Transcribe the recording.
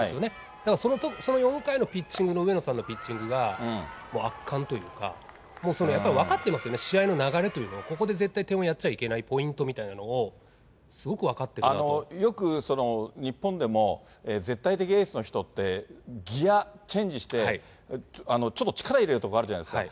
だからその４回のピッチングの、上野さんのピッチングがもう圧巻というか、もう分かってますよね、試合の流れというのを、ここで絶対点をやっちゃいけないポイントみたいなのを、よく日本でも、絶対的エースの人って、ギアチェンジして、ちょっと力入れるところあるじゃないですか。